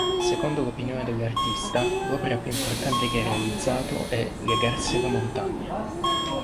Secondo l'opinione dell'artista l'opera più importante che ha realizzato è Legarsi alla montagna.